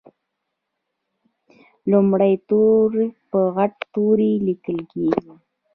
لومړی توری په غټ توري لیکل کیږي.